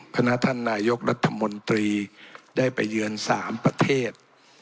คณะท่านนายกรัฐมนตรีได้ไปเยือน๓ประเทศ